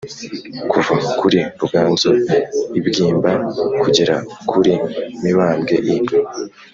kuva kuri ruganzu i bwimba kugera kuri mibambwe i